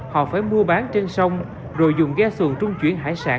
họ phải mua bán trên sông rồi dùng ghe xuồng trung chuyển hải sản